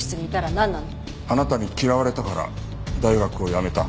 あなたに嫌われたから大学をやめた。